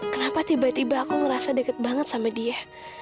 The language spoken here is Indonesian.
kenapa tiba tiba aku ngerasa deket banget sama dia